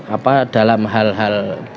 apa dalam hal hal